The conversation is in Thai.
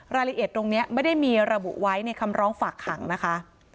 รายละเอียดตรงนี้ไม่ได้มีระบุไว้ในคำร้องฝากขังนะคะ